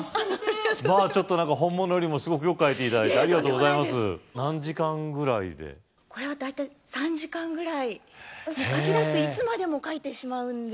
ちょっと本物よりもすごくよく描いて頂いてありがとうございます何時間ぐらいでこれは大体３時間ぐらい描き出すといつまでも描いてしまうんですね